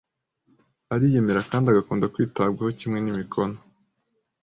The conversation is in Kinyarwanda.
Ariyemera kandi agakunda kwitabwaho kimwe n’imikono.